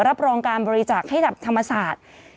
รับรองการบริจาคให้กับธรรมศาสตร์